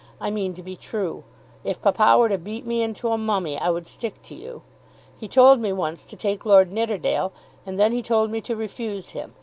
I mean to be true. If papa were to beat me into a mummy I would stick to you. He told me once to take Lord Nidderdale, and then he told me to refuse him.